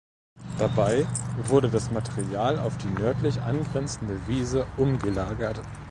Dabei wurde das Material auf die nördlich angrenzende Wiese umgelagert.